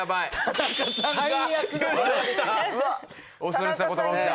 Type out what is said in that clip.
恐れてた事が起きた。